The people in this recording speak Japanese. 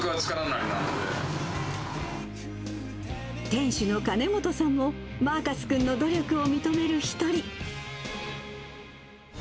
店主の鉦本さんもマーカス君の努力を認める一人。